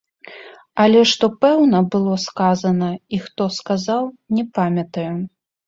Але што пэўна было сказана і хто сказаў, не памятаю.